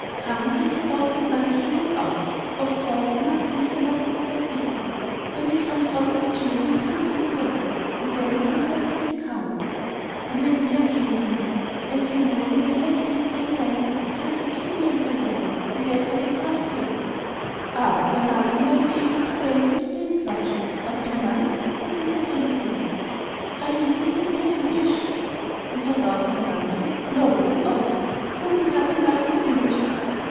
"Come, take your dogs and monkey and get out! Of course, you must leave your master's bag with me. When he comes out of jail, he'll come here to get it, and then he can settle his account." An idea came to me. "As you know he will settle his bill then, can't you keep me until then, and add what I cost to it?" "Ah, ah! Your master might be able to pay for two days' lodging, but two months! that's a different thing." "I'll eat as little as you wish." "And your dogs and monkey! No, be off! You'll pick up enough in the villages."